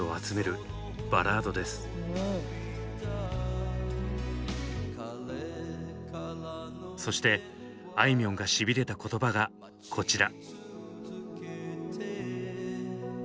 「彼からの電話」そしてあいみょんがシビれた言葉がこちら。